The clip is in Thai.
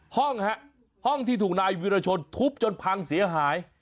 ห้องฮะห้องที่ถูกนายวิรชนทุบจนพังเสียหาย